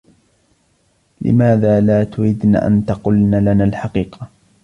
لماذا لا تردن أن تقلن لنا الحقيقة ؟